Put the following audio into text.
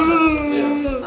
pegangin ini dia